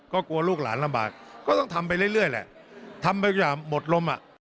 ก็กลัวลูกหลานลำบากก็ต้องทำไปเรื่อยแหละทำไปอย่างหมดลมอ่ะ